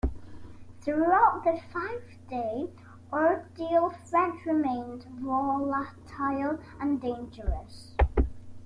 Throughout the five-day ordeal, French remained volatile and dangerous.